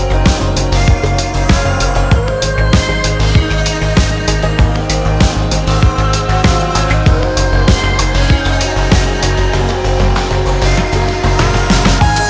menyambut pengunjung di musim libur lebaran ini